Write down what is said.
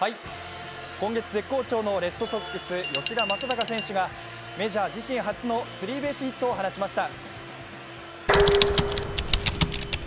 今月絶好調のレッドソックス・吉田正尚選手がメジャー自身初のスリーベースヒットを放ちました。